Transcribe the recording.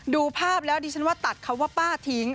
ดูภาพแล้วดิฉันว่าตัดคำว่าป้าทิ้ง